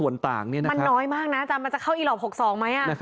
ส่วนมันน้อยมากนะอาจารย์มันจะเข้าอีหลอป๖๒ไหม